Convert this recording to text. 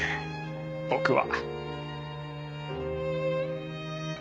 僕は。